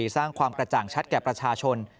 สร้างความกระจ่างชัดแก่ประชาชน